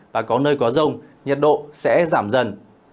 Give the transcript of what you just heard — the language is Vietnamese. và có nơi có rông nhiệt độ sẽ giảm dần